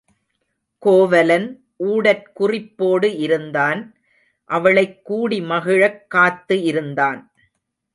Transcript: கோவலன் ஊடற் குறிப்போடு இருந்தான் அவளைக் கூடி மகிழக் காத்து இருந்தான்.